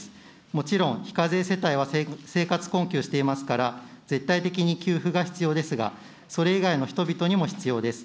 もちろん、非課税世帯は生活困窮していますから、絶対的に給付が必要ですが、それ以外の人々にも必要です。